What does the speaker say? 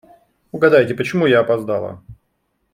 Угадайте, почему я опоздала?